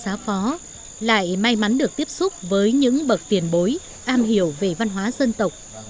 những người xa phó lại may mắn được tiếp xúc với những bậc tiền bối am hiểu về văn hóa dân tộc